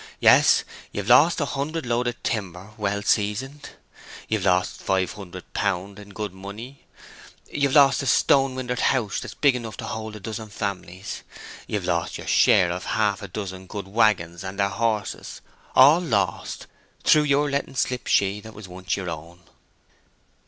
Yes, ye've lost a hundred load o' timber well seasoned; ye've lost five hundred pound in good money; ye've lost the stone windered house that's big enough to hold a dozen families; ye've lost your share of half a dozen good wagons and their horses—all lost!—through your letting slip she that was once yer own!"